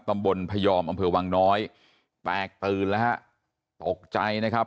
พยอมอำเภอวังน้อยแตกตื่นแล้วฮะตกใจนะครับ